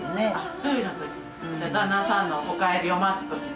１人の時旦那さんのお帰りを待つ時に？